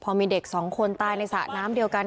พอมีเด็กสองคนตายในสระน้ำเดียวกัน